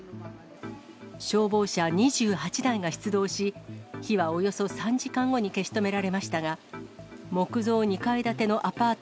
消防車２８台が出動し、火はおよそ３時間後に消し止められましたが、木造２階建てのアパート